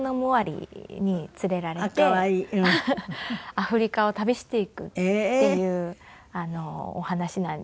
アフリカを旅していくっていうお話なんですけど。